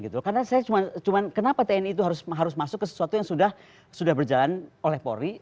karena saya cuma kenapa tni itu harus masuk ke sesuatu yang sudah berjalan oleh polri